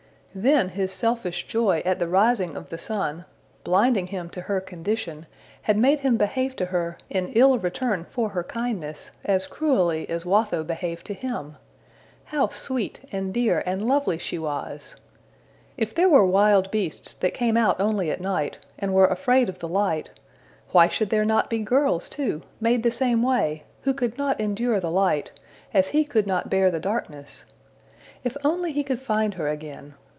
Then his selfish joy at the rising of the sun, blinding him to her condition, had made him behave to her, in ill return for her kindness, as cruelly as Watho behaved to him! How sweet and dear and lovely she was! If there were wild beasts that came out only at night, and were afraid of the light, why should there not be girls too, made the same way who could not endure the light, as he could not bear the darkness? If only he could find her again!